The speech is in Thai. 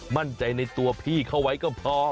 มั่นใจในตัวพี่เขาไว้ก็พอ